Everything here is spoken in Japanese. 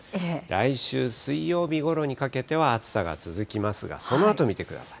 来週水曜日ごろにかけては暑さが続きますが、そのあと見てください。